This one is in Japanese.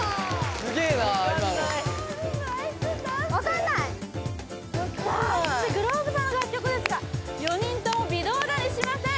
・すげえな今の・分かんない続いてｇｌｏｂｅさんの楽曲ですが４人とも微動だにしません